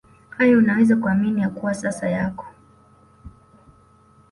hayo Unaweza kuamini ya kuwa sasa yako